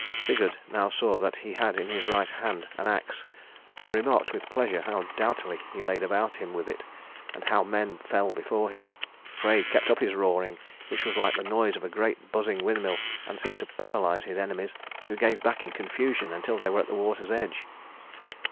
Sigurd now saw that he had in his right hand an axe, and remarked with pleasure how doughtily he laid about him with it, and how men fell before him. Frey kept up his roaring, which was like the noise of a great buzzing windmill, and seemed to paralyze his enemies, who gave back in confusion until they were at the water's edge.